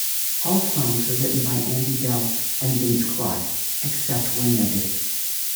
All songs were written by Andy Bell and Vince Clarke, except where noted.